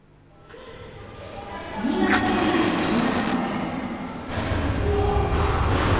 新潟県内の小学校です。